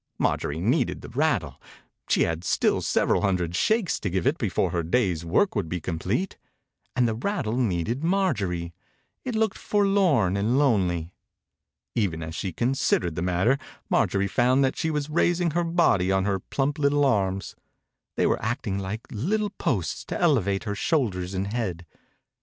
Maijorie needed the rattle. She had still several hundred shakes to give it before her day's work would be com plete. And the rattle needed Marjorie; it looked forlorn and lonely. Even as she considered the matter Marjorie found that she was raising her body on her plump little arms. They were act ing like little posts to elevate her shoulders and head.